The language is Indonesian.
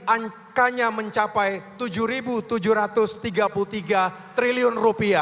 angkanya mencapai rp tujuh tujuh ratus tiga puluh tiga triliun